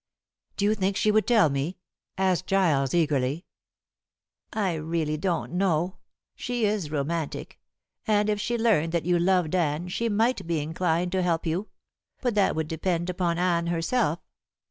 "Do you think she would tell me?" asked Giles eagerly. "I really don't know. She is romantic, and if she learned that you loved Anne she might be inclined to help you. But that would depend upon Anne herself.